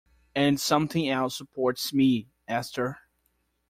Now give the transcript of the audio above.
And something else supports me, Esther.